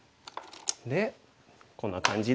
でこんな感じで。